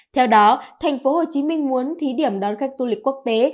theo đó tp hcm muốn thí điểm đón khách du lịch quốc tế